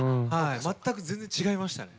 全く全然違いましたね。